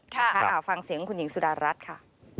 ฟังเสียงคุณหญิงสุดารัฐค่ะ